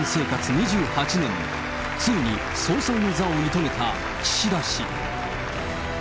２８年で、ついに総裁の座を射止めた岸田氏。